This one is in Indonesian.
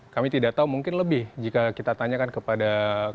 kami tidak tahu mungkin lebih jika kita tanyakan kepada